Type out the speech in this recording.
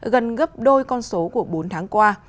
gần gấp đôi con số của bốn tháng qua